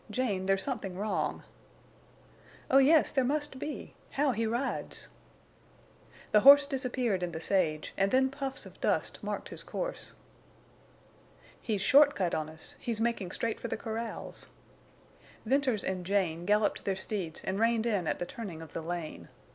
Jane, there's something wrong." "Oh yes, there must be.... How he rides!" The horse disappeared in the sage, and then puffs of dust marked his course. "He's short cut on us—he's making straight for the corrals." Venters and Jane galloped their steeds and reined in at the turning of the lane.